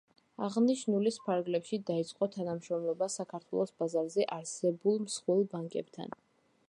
აღნიშნულის ფარგლებში, დაიწყო თანამშრომლობა საქართველოს ბაზარზე არსებულ მსხვილ ბანკებთან.